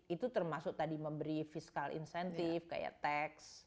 itu termasuk tadi memberi fiscal incentive kayak tax